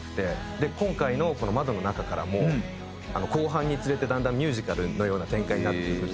で今回の『窓の中から』も後半につれてだんだんミュージカルのような展開になっていくって。